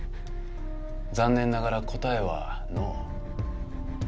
残念ながら答えはノー。